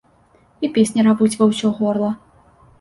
І песні равуць ва ўсё горла.